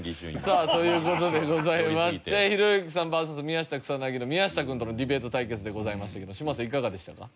さあという事でございましてひろゆきさんＶＳ宮下草薙の宮下君とのディベート対決でございましたけど嶋佐いかがでしたか？